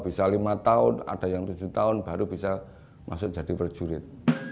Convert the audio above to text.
bisa lima tahun ada yang tujuh tahun baru bisa masuk jadi prajurit